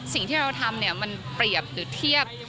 สิ่งที่เราทำเนี่ยมันเปรียบหรือเทียบ